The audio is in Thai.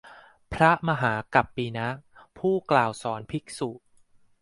พระมหากัปปินะ ผู้กล่าวสอนภิกษุ